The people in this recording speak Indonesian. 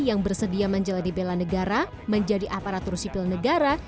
yang bersedia menjalani bela negara menjadi aparatur sipil negara